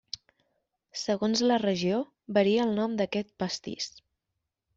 Segons la regió varia el nom d'aquest pastís.